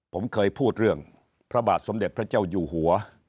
ผมเคยพูดเรื่องพระบาทสมเด็จพระเจ้าอยู่หัว